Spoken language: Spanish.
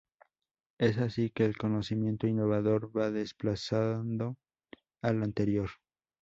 Es así que el conocimiento innovador va desplazando al anterior.